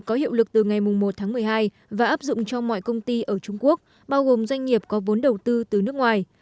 có hiệu lực từ ngày một tháng một mươi hai và áp dụng cho mọi công ty ở trung quốc bao gồm doanh nghiệp có vốn đầu tư từ nước ngoài